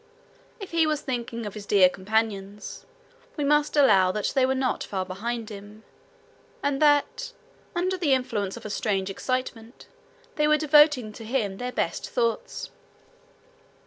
If he was thinking of his dear companions, we must allow that they were not far behind him; and that, under the influence of a strange excitement, they were devoting to him their best thoughts.